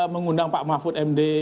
mengundang pak mahfud md